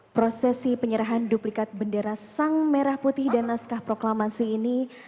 prosesi penyerahan duplikat bendera sang merah putih dan naskah proklamasi ini